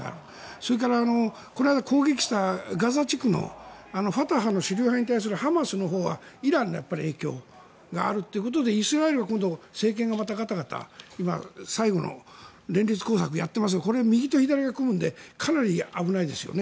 それからこれは攻撃したガザ地区のファタハに関するハマスのほうはイランの影響があるということでイスラエルはここのところ政権がガタガタ最後の連立工作をやっていますがこれは右と左が組むのでかなり危ないですよね。